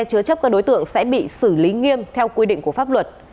các đối tượng sẽ bị xử lý nghiêm theo quy định của pháp luật